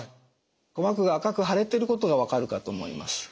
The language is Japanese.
鼓膜が赤く腫れてることが分かるかと思います。